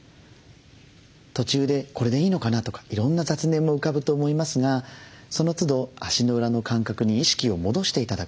途中で「これでいいのかな」とかいろんな雑念も浮かぶと思いますがそのつど足の裏の感覚に意識を戻して頂く。